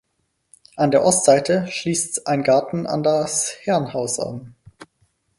An der Ostseite schließt ein Garten an das Herrenhaus an.